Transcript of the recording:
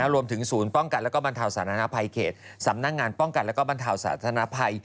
รวมถึงศูนย์ป้องกัดแล้วก็บรรเทาสถานภัยเขตสำนักงานป้องกัดแล้วก็บรรเทาสถานภัย